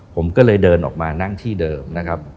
ผมก็เลยเดินออกมานั่งที่เดิมนะครับ